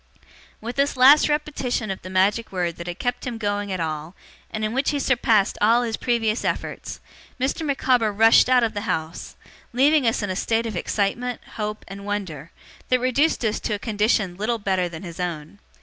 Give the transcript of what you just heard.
With this last repetition of the magic word that had kept him going at all, and in which he surpassed all his previous efforts, Mr. Micawber rushed out of the house; leaving us in a state of excitement, hope, and wonder, that reduced us to a condition little better than his own.